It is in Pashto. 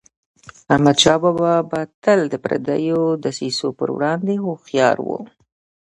احمدشاه بابا به تل د پردیو دسیسو پر وړاندي هوښیار و.